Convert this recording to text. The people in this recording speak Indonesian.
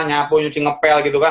nyapu cuci nge pel gitu kan